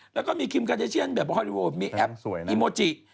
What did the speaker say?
แล้วก็มีคิมการ์เดชเชียนมีแอปอีโมจิ